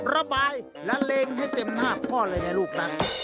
ระบายและเล็งให้เต็มหน้าพ่อเลยในลูกนั้น